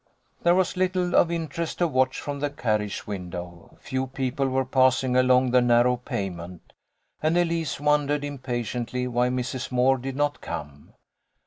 There was little of interest to watch from the car riage window. Few people were passing along the narrow pavement, and Elise wondered impatiently why Mrs. Moore did not come.